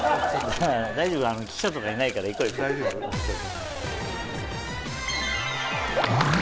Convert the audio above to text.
大丈夫記者とかいないから行こう行こう。